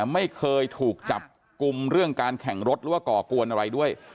ไม่เคยถูกจับกลุ่มเรื่องการแข่งรถหรือว่าก่อกวนอะไรด้วย